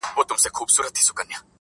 دا قضاوت یې په سپېڅلي زړه منلای نه سو!!